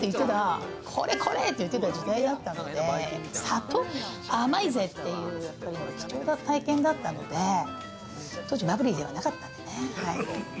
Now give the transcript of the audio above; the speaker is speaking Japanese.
うま！って言ってた時代だったので、砂糖甘いぜっていう貴重な体験だったので当時バブリーじゃなかったんで。